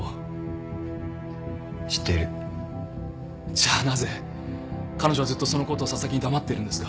じゃあなぜ彼女はずっとそのことを紗崎に黙ってるんですか？